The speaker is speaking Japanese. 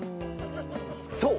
そう！